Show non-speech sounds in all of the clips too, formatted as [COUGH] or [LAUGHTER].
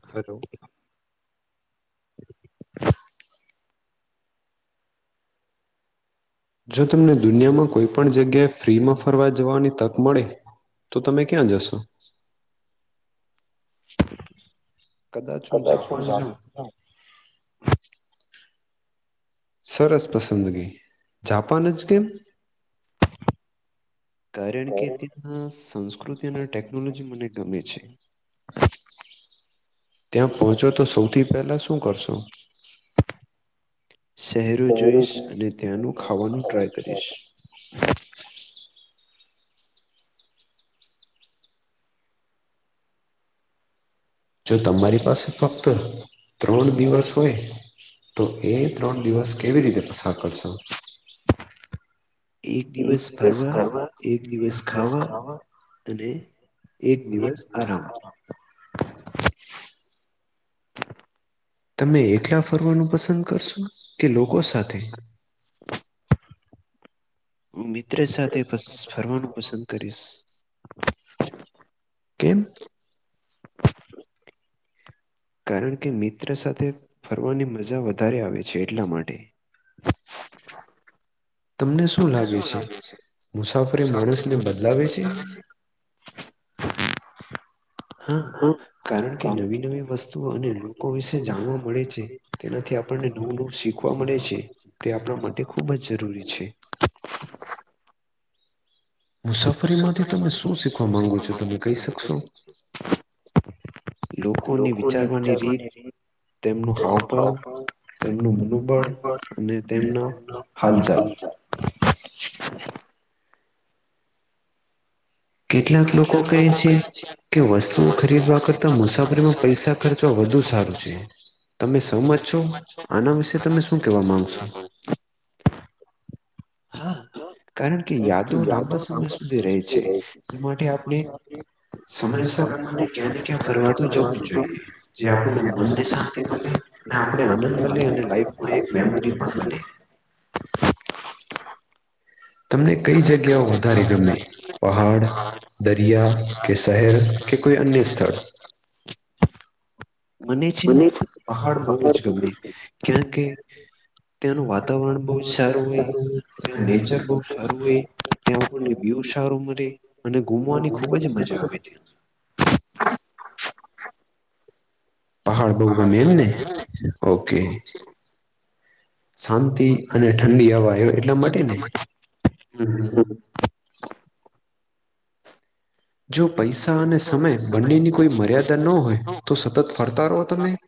Hello. જો તમને દુનિયામાં કોઈ પણ જગ્યાએ ફ્રીમાં ફરવા જવાની તક મળે તો તમે ક્યાં જશો? કદા [UNINTELLIGIBLE] સરસ પસંદગી જાપાન જ કેમ? કારણ કે ત્યાં સંસ્કૃતિ અને ટેકનોલોજી મને ગમે છે. ત્યાં પહોંચો તો સૌથી પહેલા શું કરશો. શહેરો જોઈશ અને ત્યાંનું ખાવાનું ટ્રાય કરીશ. જો તમારી પાસે ફક્ત ત્રણ દિવસ હોય તો એ ત્રણ દિવસ કેવી રીતે પસાર કરશો? [UNINTELLIGIBLE] એ તમે એકલા ફરવાનું પસંદ કરશો કે લોકો સાથે [INAUDIBLE] હું મિત્ર સાથે ફરવાનું પસંદ કરીશ કે કારણ કે મિત્ર સાથે ફરવાની મજા વધારે આવે છે એટલા માટે [INAUDIBLE] [INAUDIBLE] તમને શું લાગે છેરી હમ હા કારણ કે નવી નવી વસ્તુઓ અને લોકો વિશે જાણવા મળે છે તેનાથી આપણને નવું નવું શીખવા મળે છે તે આપણા માટે ખૂબ જ છે મુસાફરીમાંથી તમે શું શીખવા માંગો છો તમે કહી શકશો લોકોની વિચારવાની રીત તેમનો હાવભાવ તેમનું મનોબળ અને તેમનો હાલચાલ [INAUDIBLE] કેટલાક લોકો કહે છે કે વસ્તુઓ ખરીદવા કરતા મુસાફરીમાં પૈસા ખર્ચવા વધુ સારું છે તમે સહત છો આના વિશે તમે શું કેવા માંગશો હા કારણ કે યાદો લાંબા સમય સુધી રહે છે તે માટે આપણે સમયસર આપણને ક્યાંને ક્યાં ફરવા તો જવું જ જોઈએ જે આપણને મનને શાંતિ મળે અને આપણે આનંદ મળ અને લાઈફમાં એક મેમોરી પણ બને [INAUDIBLE] રિયા કે કોઈ અન્ય સ્થળ મને છે પહાડ બહુ જ ગમે ક્યાં કે ત્યાંનું વાતાવરણ બહુ જ સારું હોય ત્યા નેચર બહુ સારું હોય ત્યાં આપણને વ્યૂ સારો મરી અને ગુમવાની ખૂબ જ મજા આવે ત્યાં [UNINTELLIGIBLE] પહાડ બહુ ગમે એમને ઓકે શાંતિ અને ઠંડી અવાજ એટલા માટે ને. જો પૈસા અને સમય બંનેની કોઈ મર્યાદા ન હોય તો સતત ફરતા રહો તમે. [INAUDIBLE]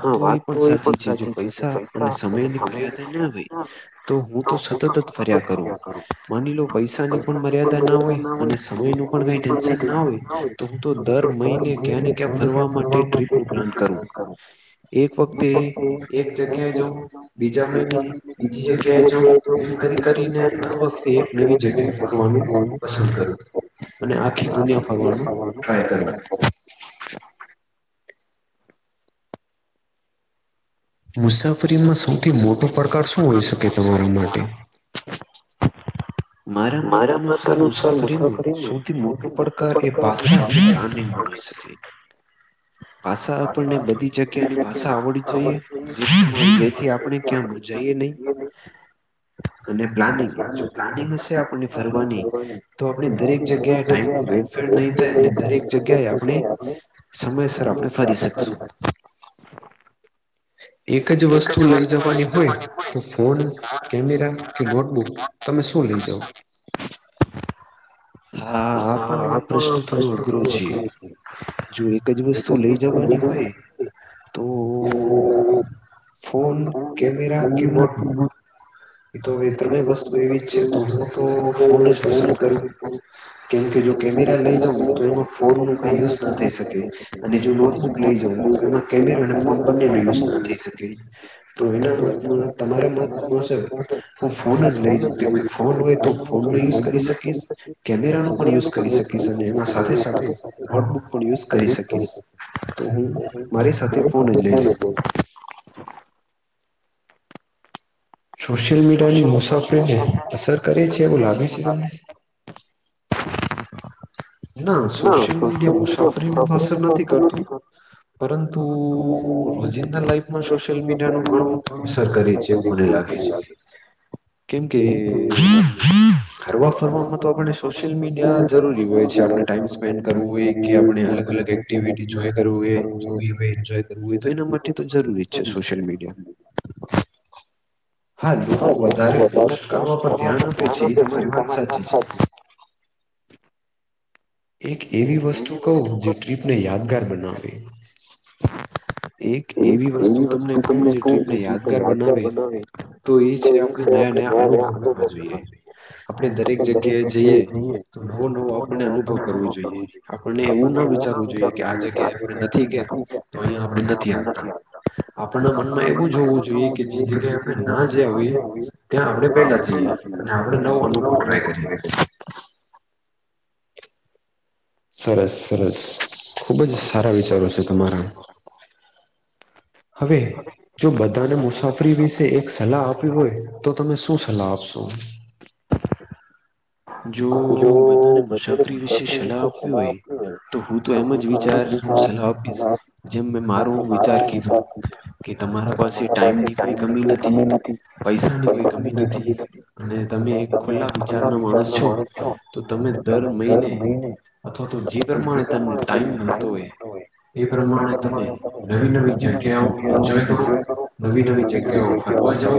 હા વાત તો એ પણ સાચી કે પૈસા અને સમય ના રે. [INAUDIBLE] હોય તો દર મહિને ફરવા માટે કરો. [UNINTELLIGIBLE] પસંદ કરુ [INAUDIBLE] મુસાફરીમાં સૌથી મોટો પડકાર શું હોઈ શકે તમારા માટે. મારા મત અનુસાર મુસાફરીને સૌથી મોટું પડ [INAUDIBLE] [INAUDIBLE] [INAUDIBLE] પ્લાનિંગ સે આપ [INAUDIBLE] સમય સમય એક જ વસ્તુ લઈ જવાની હોય તો ફોન કેમેરા કે નોટબુક તમે શું લઈ જાવ. [INAUDIBLE] [INAUDIBLE] હા આ પણ પ્રશ્ન થોડો અઘરો છે જો એક જ વસ્તુ લઈ જવા ની હોય [INAUDIBLE] [UNINTELLIGIBLE] એ તો હવે ત્રણેય વસ્તુ એવી જ છે તો હું તો ફોન જ પસંદ કરું. કેમકે જો કેમેરા લઈ જવું તો એમાં ફોન ન કઈ યુઝ ના થઈ શકે અને જો નોટબુક લઈ જઉ તો કેમેંરા અને ફોન બને યુઝ ના થઈ શકે તો એના મા તમારા માં બ હું ફોન જ લઈ જાઉં કેમકે ફોન હોય તો હ ફોન ન યુઝ કરી શકીશ. કેમેરા નો પણ યુઝ કરી શકીશ અને એમાં સાથે સાથે નોટબુક પણ યુઝ કરી શકીશ. તો હું મારી સાથે ફોન જ લઈજવું. સોશિયલ મીડિયાની મુસાફરીને અસર કરે છે એવું લાગે છે તમને. ના સોશિયલ મીડિયા મુસાફરીને તો અસર નથી કરતું પરંતુ રોજિંદા લાઈફમાં સોશિયલ મીડિયા નુ ઘણું અસર કરીએ છે એવુ મને લાગે લાગે છે. કેમકે હરવા ફરવાવામાં તો આપણે સોશિયલ મીડિયા જરૂરી હોય છે. જો આપણે ટાઈમ સ્પેન્ડ કરવું હોય કે આપણે અલગ અલગ એક્ટિવિટી ઇન્જોય કરવું હે [UNINTELLIGIBLE] તો એના માટે તો જરૂરી જ છે સોશિયલ મીડિયા. [INAUDIBLE] હા એતો વધારે [INAUDIBLE] [UNINTELLIGIBLE] [INAUDIBLE] [INAUDIBLE] એક એવી વસ્તુ કહું જે ટ્રીપને યાદગાર બનાવે. એક એવી વસ્તુ તમને કવું યાદગાર બનાવે તો [INAUDIBLE] [UNINTELLIGIBLE] [INAUDIBLE] [UNINTELLIGIBLE] આપણે દરેક જગ્યા જઈએ તો [UNINTELLIGIBLE] કરવું જોઈએ [INAUDIBLE] [UNINTELLIGIBLE] ધ્યાન રખ લે અપના. [UNINTELLIGIBLE] આપ [INAUDIBLE] [UNINTELLIGIBLE] [INAUDIBLE] [UNINTELLIGIBLE] સરસ સરસ ખુબ જ સારા વિચારો છે તમારા. હવે જો બધાને મુસાફરી વિશે એક સલાહ આપી હોય તો તમે શું સલાહ આપશો. તોરી [INAUDIBLE] જો બધાને મુસાફરી વિશે સલાહ આપવી હોય તો હું તો એમ જ વિચાર હું સલાહ આપીશ જેમ મેં મારો વિચાર કીધો કે તમારા પાસે ટાઈમની કમી નથી પૈસાની કોઈ કમી નથી અને તમે ખુલ્લા વિચારના માણસ છો તો તમે દર મહિને અથવા તો જે પ્રમાણે તમને ટાઈમ મળતો હોય એ પ્રમાણે તમે નવી નવી જગ્યાઓ એન્જોય કરો નવી નવી જગ્યાઓ ફરવા જાવ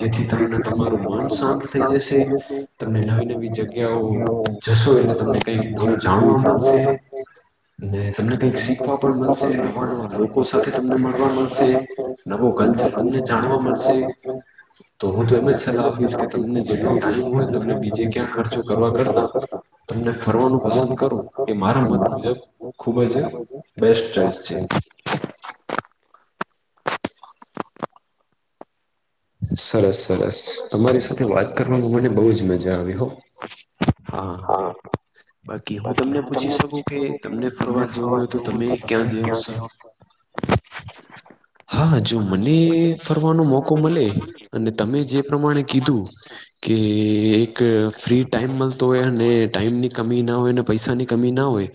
જેથી તમને તમારું મન શાંત થઈ જશે તમને નવી નવી જગ્યાઓ જશો એટલે તમને કઈક નવું જાણવા મળશે ને તમને કઈક શીખવા પણ મળશે નવા નવા લોકો સાથે તમને મળવા મળશે નવા વો કલ્ચર તમને જાણવા મળશે તો હું તો એમ જ સલાહ આપીશ કે તમને જેટલો ટાઈમ હોય તમને બીજ [INAUDIBLE] [INAUDIBLE] [UNINTELLIGIBLE] [UNINTELLIGIBLE] ખુબ જ [UNINTELLIGIBLE] બેસ્ટ ટાશક છે સરસ સરસ તમારી સાથે વાત કરવાવામાં મને બઉ જ મજા આવી હો હા તમનેય એવું નથી થયું કે [UNINTELLIGIBLE] [UNINTELLIGIBLE] [INAUDIBLE] હા જો મને ફરવાનો મોકો મળે અને તમે જે પ્રમાણે કીધું કે એક ફ્રી ટાઈમમાં તો એને ટાઈમની કમી ના હોય પૈસાની કમી ના હોય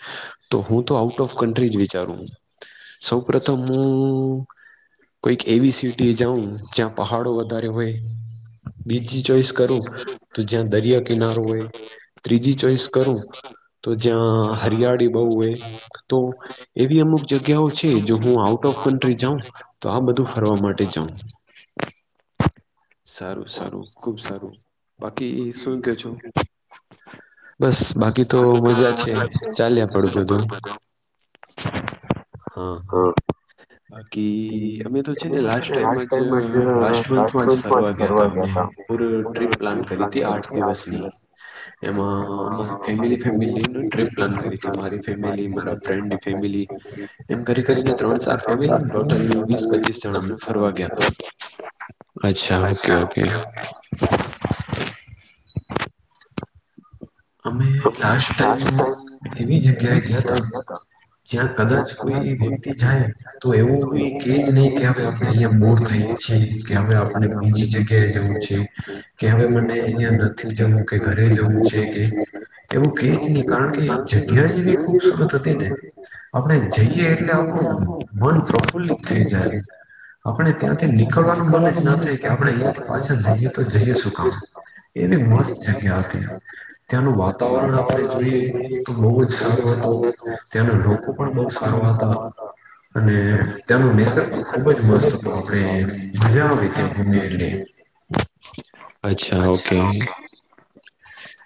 તો હું તો આઉટ ઓફ કન્ટ્રી વિચાર સૌ પ્રથમ હું કોઈક એવી સિટી જાઉં જ્યાં પહાડો વધારે હોય બીજી ચોઈસ કરું તો જ્યાં દરિયા કિનારો હોય ત્રીજી ચોઈસ કરું તો જ્યાં હરિયાળી બહુ હોય તો એવી અમુક જગ્યાઓ છે જો હું આઉટ ઓફ કન્ટ્રી જાઉ તો આ બધું ફરવા માટે જાઉ સારુ [UNINTELLIGIBLE] બસ બાકી તો મજા છે ચાલ્યા પડું બધું [INAUDIBLE] હા [INAUDIBLE] [UNINTELLIGIBLE] [UNINTELLIGIBLE] એમાં [UNINTELLIGIBLE] [UNINTELLIGIBLE] નમસ્તે [UNINTELLIGIBLE] અચ્છા ઓકે ઓકે અમે લાસ્ટ ટાઈમ એવી જગ્યાએ ગયા તા જ્યાં કદાચ કોઈ વ્યક્તિ જાય તો એવું કે જ નહી કે હવે આપણે અહિયાં બોર થઈએ છે કે હવે આપણે બીજી જગ્યાએ જવું છે કે હવે મને અહિયાં નથી જવું કે ઘરે જવું છે કે એવું કે જ નહી કારણ કે જગ્યા જેવી ખુબસુરત હતી ને આપણે જઈએ એટલે આપણું મન પ્રફુલ્લિત થઈ જાય આપણે ત્યાંથી નીકળવાનું મન જ ના થાય કે આપણે અહિયાથી પાછા જઈએ તો જઈએ શું કામ એવી મસ્ત હતી ત્યાંનું વાતાવરણ આપણે જોઈએ તો બહુ જ સારું હતો ત્યાંના લોકો પણ બહુ સારો વાતા અને તેનું નેચર પણ ખુબ જ મસ્ત આપણે મજા આવી ત્યાં ગયા એટલે અચ્છા ઓકે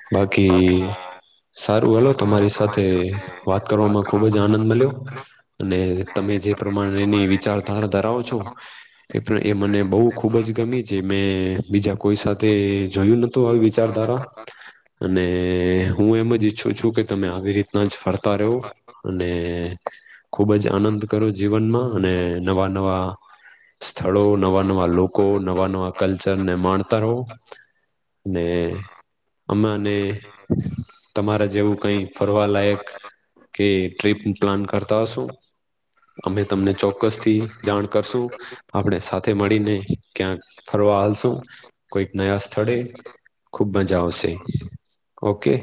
હ વા સારું હલો તમારી સાથે વાત કરવામાં ખુબ જ આનંદ મળ્યો અને તમે જે પ્રમાણેની વિચારધારા ધરાવો છો એ એ મને બહુ ખુબ જ ગમ છે મે બીજા કોઈ સાથે જોયું નત હ વિચારધારા અને હું એમ જ ઈચ્છું છું કે તમે આવી રીતના જ ફરતા રહો અને ખૂબ જ આનંદ કરો જીવનમાં અને નવા નવા સ્થળો નવા નવા લોકો નવા નવા કલ્ચર ને માણતા રહો અનેને અને તમારા જેવું કઈ ફરવા લાયક કે ટ્ર્રીપ પ્લાન કરતા હશુ અમે તમને ચોક્કસ થી જાણ કરશું આપણે સાથે મળીને ક્યાં ફર હાલશું કોઈક નયા સ્થળે ખુબ મજા આવશે ઓકે બ